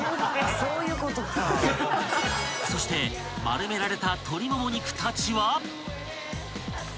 ［そして丸められた鶏もも肉たちは］